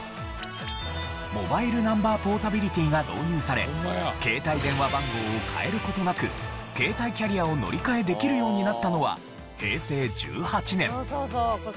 モバイル・ナンバー・ポータビリティが導入され携帯電話番号を変える事なく携帯キャリアを乗り換えできるようになったのは平成１８年。